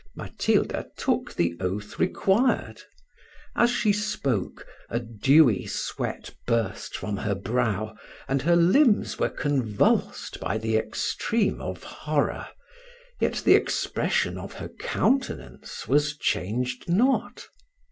Matilda took the oath required. As she spoke, a dewy sweat burst from her brow, and her limbs were convulsed by the extreme of horror, yet the expression of her countenance was changed not.